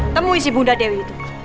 temui si bunda dewi itu